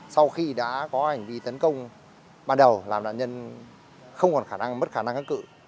sau khi đã có hành vi tấn công ban đầu làm nạn nhân không còn khả năng mất khả năng hấp cự